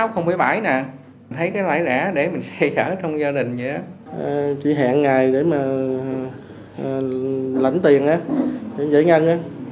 chỉ hẹn ngày để lãnh tiền dễ ngăn